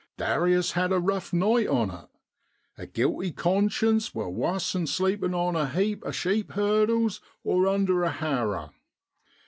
Darius had a rough night on it. A guilty conscience wor'wuss 'an sleepin' on a heap o' sheep hurdles or under a harrer.